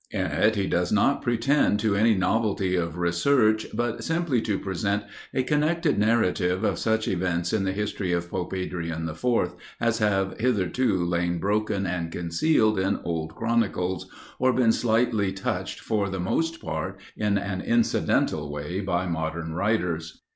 In it he does not pretend to any novelty of research; but simply to present a connected narrative of such events in the history of Pope Adrian IV. as have hitherto lain broken and concealed in old chronicles, or been slightly touched for the most part in an incidental way by modern writers.